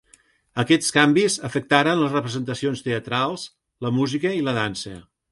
Aquests canvis afectaren les representacions teatrals, la música i la dansa.